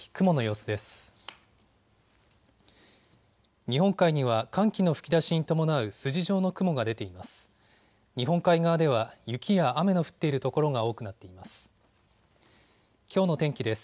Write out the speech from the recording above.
日本海には寒気の吹き出しに伴う筋状の雲が出ています。